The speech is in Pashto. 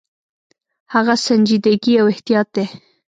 هغه سنجیدګي او احتیاط دی.